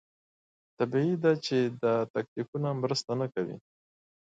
طبیعي ده چې دا تکتیکونه مرسته نه کوي.